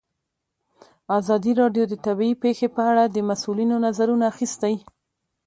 ازادي راډیو د طبیعي پېښې په اړه د مسؤلینو نظرونه اخیستي.